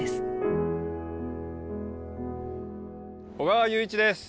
小川雄一です。